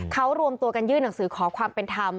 เขารวมตัวกันยื่นหนังสือขอความเป็นธรรม